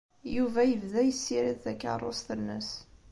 Yuba yebda yessirid takeṛṛust-nnes.